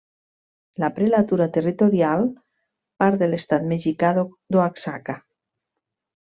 La prelatura territorial part de l'estat mexicà d'Oaxaca.